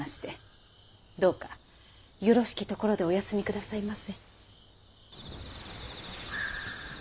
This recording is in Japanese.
どうかよろしきところでおやすみ下さいませ。